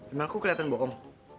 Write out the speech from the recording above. emang aku kelihatan bohong